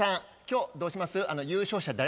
今日どうします